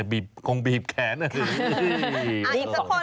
เออคงบีบแขนนะ